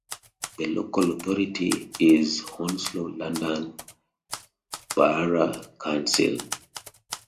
The local authority is Hounslow London Borough Council.